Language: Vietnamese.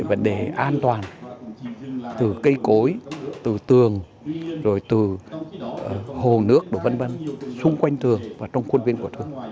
an toàn từ cây cối từ tường rồi từ hồ nước đồ vân vân xung quanh tường và trong khuôn viên của tường